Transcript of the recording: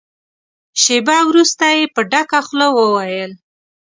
شېبه وروسته يې په ډکه خوله وويل.